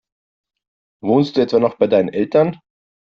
Wohnst du etwa noch bei deinen Eltern?